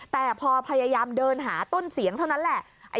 แต่พอพยายามเดินหาต้นเสียงเท่านั้นแหละ